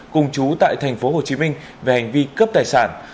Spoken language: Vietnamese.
cùng chú tại tp hcm về hành vi cướp tài sản